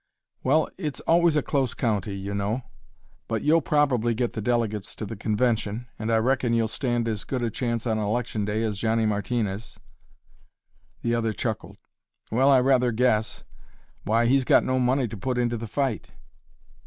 "Well, it's always a close county, you know. But you'll probably get the delegates to the convention, and I reckon you'll stand as good a chance on election day as Johnny Martinez." The other chuckled. "Well, I rather guess! Why, he's got no money to put into the fight!"